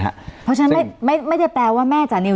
เพราะฉะนั้นไม่ได้แปลว่าแม่จานิว